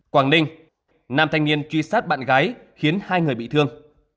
quảng ninh nam thanh niên truy sát bạn gái khiến hai người bị thương